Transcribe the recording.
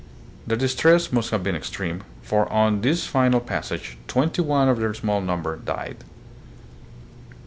Their distress must have been extreme, for on this final passage twenty one of their small number died.